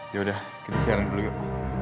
yaudah kita siaran dulu yuk